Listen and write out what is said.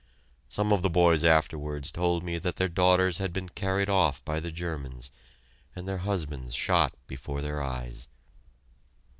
Some of the boys afterwards told me that their daughters had been carried off by the Germans, and their husbands shot before their eyes.